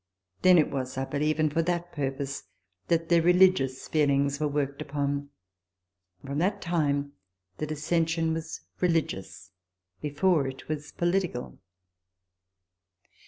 Then it was, I believe, and for that purpose, that their religious feelings were worked upon ; and from that time the dissension was religious. Before, it was political.